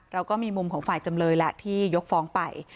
เราก็มีมุมของฝ่ายจำเลยแหละที่ยกฟ้องไป